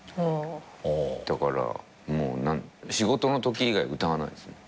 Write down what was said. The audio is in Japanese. だから仕事のとき以外歌わないですね。